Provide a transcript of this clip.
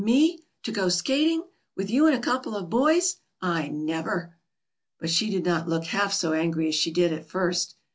Me? To go skating? With you and a couple of boys? I never!" But she did not look half so angry as she did at first.